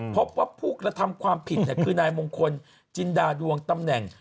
พบว่าผู้กระทำความผิดคือนายมงคลจินดาดวงตำแหน่ง